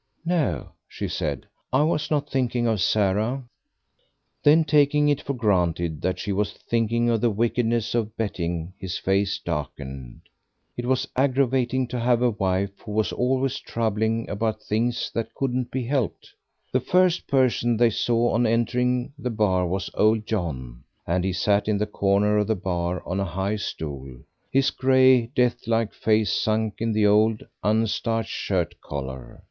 "No," she said, "I was not thinking of Sarah." Then, taking it for granted that she was thinking of the wickedness of betting, his face darkened. It was aggravating to have a wife who was always troubling about things that couldn't be helped. The first person they saw on entering the bar was old John; and he sat in the corner of the bar on a high stool, his grey, death like face sunk in the old unstarched shirt collar.